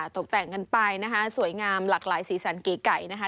ตกแต่งกันไปนะคะสวยงามหลากหลายสีสันเก๋ไก่นะคะ